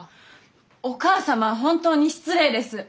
お母様は本当に失礼です！